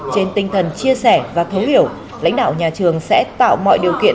trên tinh thần chia sẻ và thấu hiểu lãnh đạo nhà trường sẽ tạo mọi điều kiện